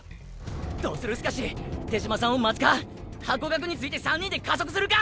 どするスカシ⁉手嶋さんを待つかハコガクについて３人で加速するか⁉